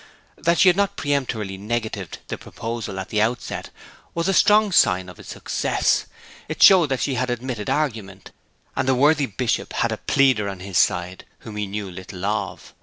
That she had not peremptorily negatived the proposal at the outset was a strong sign of its success. It showed that she had admitted argument; and the worthy Bishop had a pleader on his side whom he knew little of.